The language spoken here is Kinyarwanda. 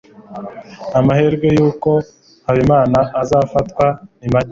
amahirwe yuko habimana azafatwa ni make